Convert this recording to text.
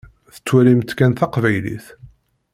Tettwalimt kan taqbaylit.